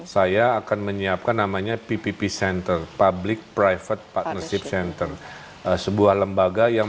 saya akan menyiapkan namanya ppp center public private partnership center sebuah lembaga yang